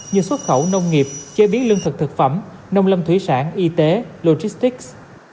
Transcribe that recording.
như xuất khẩu nông nghiệp chế biến lương thực thực phẩm nông lâm thủy sản y tế logistics